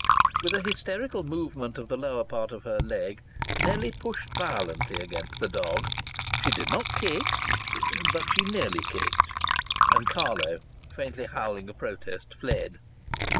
With a hysterical movement of the lower part of her leg Nellie pushed violently against the dog she did not kick, but she nearly kicked and Carlo, faintly howling a protest, fled.